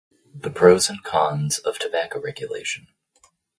The Pros and Cons of Tobacco Regulation.